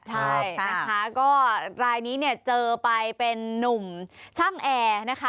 ใช่นะคะก็รายนี้เนี่ยเจอไปเป็นนุ่มช่างแอร์นะคะ